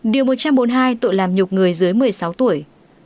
điều một trăm bốn mươi hai tội làm nhục người dưới một mươi sáu tuổi